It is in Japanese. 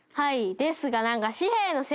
ですが。